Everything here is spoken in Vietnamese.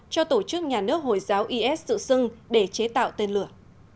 cho tổ chức nhà nước hồi giáo is dự xưng để chế tạo tên lửa